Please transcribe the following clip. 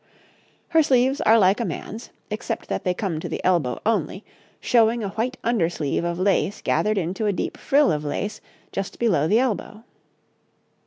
Her sleeves are like a man's, except that they come to the elbow only, showing a white under sleeve of lace gathered into a deep frill of lace just below the elbow.